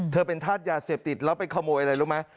เธอเป็นธาตุยาเสพติดแล้วไปขโมยอะไรรู้ไหม